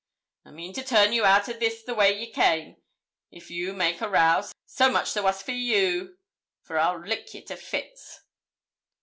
'I mean to turn you out o' this the way ye came. If you make a row, so much the wuss for you, for I'll lick ye to fits.'